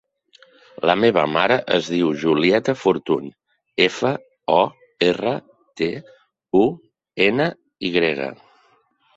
La meva mare es diu Julieta Fortuny: efa, o, erra, te, u, ena, i grega.